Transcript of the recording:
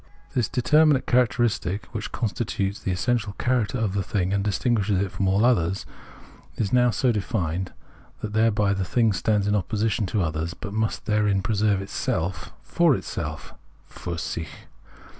This determinate characteristic, which constitutes the essential character of the thing and distinguishes it from all others, is now so defined that thereby the thing stands in opposition to others, but must therein preserve itself for itself {filr sicli).